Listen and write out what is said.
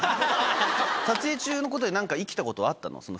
撮影中のことで何か生きたことはあったの？